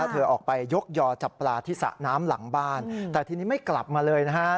เธอออกไปยกยอจับปลาที่สระน้ำหลังบ้านแต่ทีนี้ไม่กลับมาเลยนะฮะ